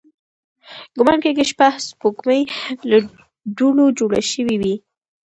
ګومان کېږي، شبح سپوږمۍ له دوړو جوړې شوې وي.